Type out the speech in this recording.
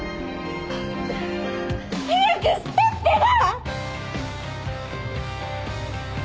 早くしてってば！